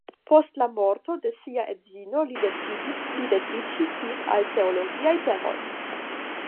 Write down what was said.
Post la morto de sia edzino li decidis pli dediĉi sin al teologiaj temoj.